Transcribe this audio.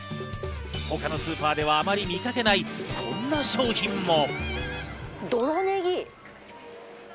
他のスーパーではあまり見かけないこんな商品も。